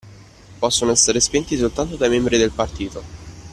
Possono essere spenti soltanto dai membri del Partito.